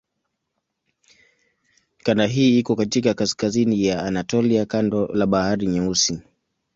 Kanda hii iko katika kaskazini ya Anatolia kando la Bahari Nyeusi.